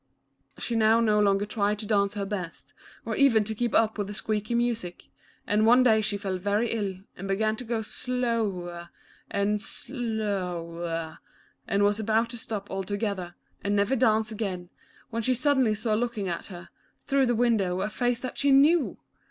She now no longer tried to dance her best, or even to keep up with the squeaky music, and one day she felt very ill, and began to go slow er and s 1 o w e r, and was about to stop altogether, and never dance again, when she suddenly saw looking at her, throus^h the window a face that she knew